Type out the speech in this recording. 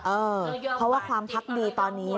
เออเพราะว่าความพักดีตอนนี้